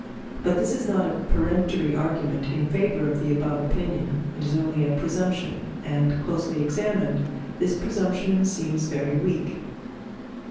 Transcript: But this is not a peremptory argument in favour of the above opinion; it is only a presumption, and, closely examined, this presumption seems very weak.